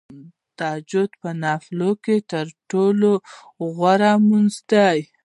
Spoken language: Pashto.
تهجد په نوافلو کې تر ټولو غوره لمونځ دی .